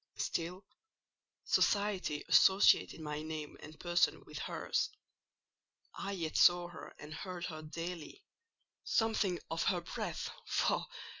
Still, society associated my name and person with hers; I yet saw her and heard her daily: something of her breath (faugh!)